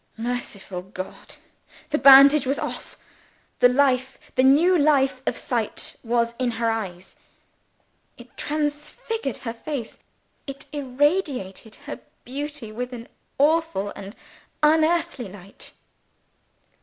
Merciful God! the bandage was off. The life, the new life of sight, was in her eyes. It transfigured her face: it irradiated her beauty with an awful and unearthly light.